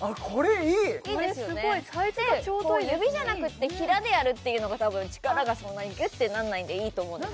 いいですよねで指じゃなくってひらでやるっていうのがたぶん力がそんなにギュッてならないんでいいと思うんです